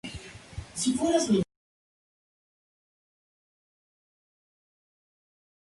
Está cubierto por la nieve la mayor parte del año.